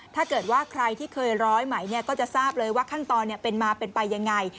ถ้าเกิดว่าใครที่เคยร้อยไหมก็จะทราบเลยว่าขั้นตอนเป็นมาเป็นไปยังไง